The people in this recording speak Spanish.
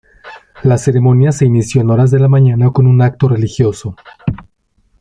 La ceremonia se inició en horas de la mañana con un acto religioso.